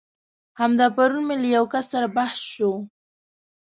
همدا پرون مې له يو کس سره بحث شو.